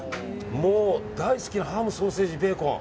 もう、大好き、ハムソーセージ、ベーコン。